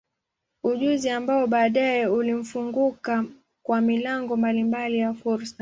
Ujuzi ambao baadaye ulimfunguka kwa milango mbalimbali ya fursa.